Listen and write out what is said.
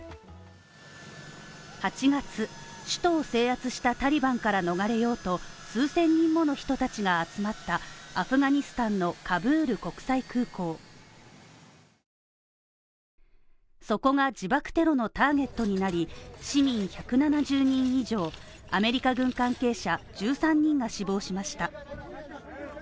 ８月、首都を制圧したタリバンから逃れようと、数千人もの人たちが集まったアフガニスタンのカブール国際空港そこが自爆テロのターゲットになり、市民１７０人以上、アメリカ軍関係者１３人が死亡しました。